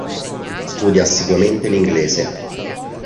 Studia assiduamente l'inglese.